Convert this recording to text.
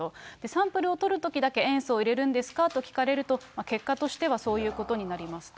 サンプルを取るときだけ、塩素を入れるんですかと聞かれると、結果としてはそういうことになりますと。